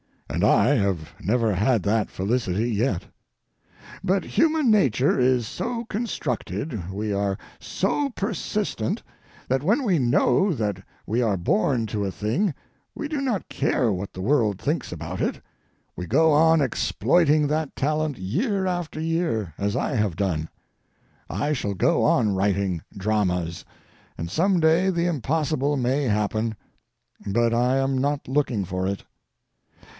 And I have never had that felicity yet. But human nature is so constructed, we are so persistent, that when we know that we are born to a thing we do not care what the world thinks about it. We go on exploiting that talent year after year, as I have done. I shall go on writing dramas, and some day the impossible may happen, but I am not looking for it.